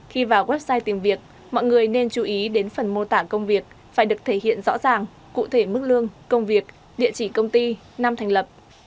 khi vào website tìm việc mọi người nên chú ý đến phần mô tả công việc phải được thể hiện rõ ràng cụ thể mức lương công việc địa chỉ công ty năm thành lập